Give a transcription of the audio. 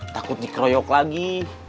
takut dikroyok lagi